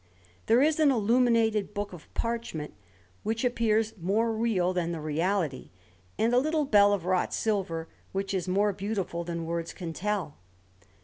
There is an illuminated book of parchment, which appears more real than the reality; and a little bell of wrought silver, which is more beautiful than words can tell.